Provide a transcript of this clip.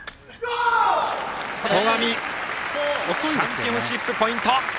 戸上チャンピオンシップポイント。